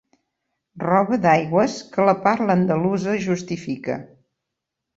Roba d'aigües que la parla andalusa justifica.